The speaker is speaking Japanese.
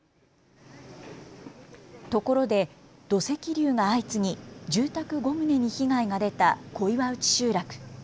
ところで土石流が相次ぎ住宅５棟に被害が出た小岩内集落。